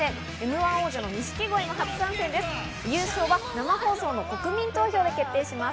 М‐１王者の錦鯉も初参戦です。